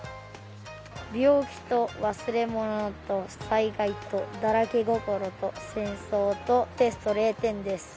病気と忘れ物と災害とだらけ心と戦争とテスト０点です。